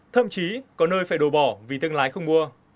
thậm chí có nơi phải đồ bỏ vì tương lái không mua